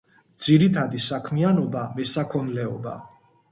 ძირითადი საქმიანობა მესაქონლეობა.